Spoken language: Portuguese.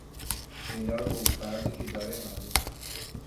Melhor voltar do que dar errado.